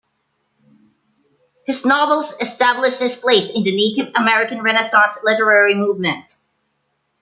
His novels established his place in the Native American Renaissance literary movement.